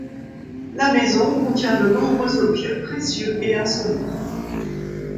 La maison contient de nombreux objets précieux et insolites.